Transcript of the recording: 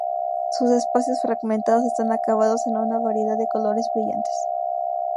Sus espacios fragmentados están acabados en una variedad de colores brillantes.